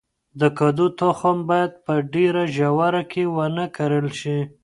د کدو تخم باید په ډیره ژوره کې ونه کرل شي.